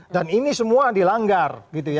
dan ini semua dilanggar